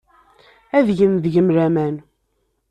Ad gen deg-m laman.